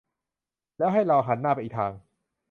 แล้วให้เราหันหน้าไปอีกทาง